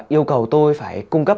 yêu cầu tôi phải cung cấp